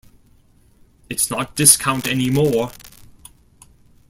It's not discount anymore!